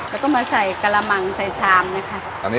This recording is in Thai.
ก็ต้องมาใส่กะละมังใส่ชามนะค่ะ